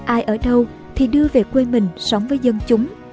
ai ở đâu thì đưa về quê mình sống với dân chúng